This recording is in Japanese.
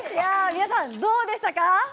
皆さん、どうでしたか。